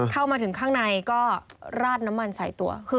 เข้ามาถึงข้างในก็ราดน้ำมันใส่ตัว